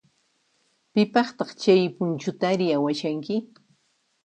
Pipaqtaq chay punchutari awashanki?